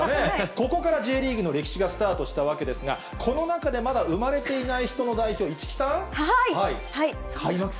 ここからＪリーグの歴史がスタートしたわけですが、この中でまだ生まれていない人の代表、市來さん。